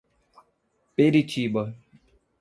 Peritiba